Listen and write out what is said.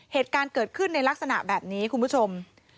เหตุการณ์เกิดขึ้นในลักษณะแบบนี้คุณผู้ชม